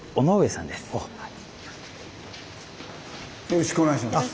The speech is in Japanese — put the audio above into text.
よろしくお願いします。